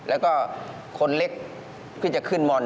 แล้วก็คนเล็กก็จะขึ้นม๑อีก